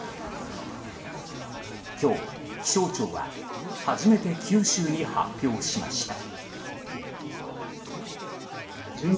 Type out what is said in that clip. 今日、気象庁は初めて九州に発表しました。